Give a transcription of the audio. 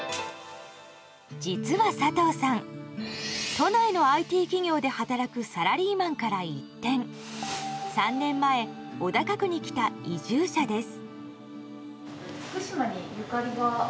実は佐藤さん、都内のＩＴ企業で働くサラリーマンから一転３年前、小高区に来た移住者です。